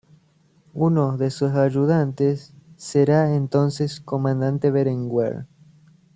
Uno de sus ayudantes será el entonces comandante Berenguer.